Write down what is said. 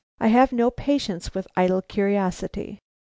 I have no patience with idle curiosity.